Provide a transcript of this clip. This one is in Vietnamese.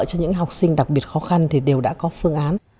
cho những học sinh đặc biệt khó khăn thì đều đã có phương án